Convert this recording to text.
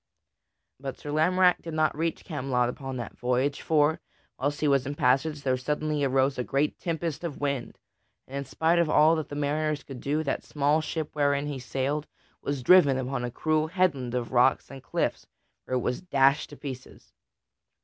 But Sir Lamorack did not reach Camelot upon that voyage; for, whilst he was in passage, there suddenly arose a great tempest of wind, and in spite of all that the mariners could do, that small ship wherein he sailed was driven upon a cruel headland of rocks and cliffs where it was dashed to pieces.